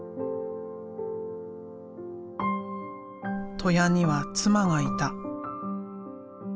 戸谷には妻がいた。